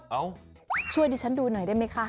เอาช่วยดิฉันดูหน่อยได้ไหมคะ